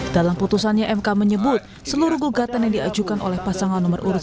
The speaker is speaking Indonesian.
dalam putusannya mk menyebut seluruh gugatan yang diajukan oleh pasangan nomor urut satu